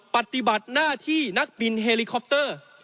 ปฏิบัติหน้าที่นักบินเฮลิคอปเตอร์